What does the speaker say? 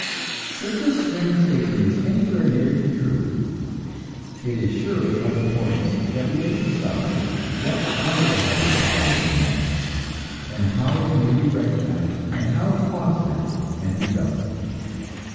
If this strange statement is anywhere near to truth, it is surely of importance that we should decide what are the higher powers in men, and how they may be recognized, and how fostered and developed.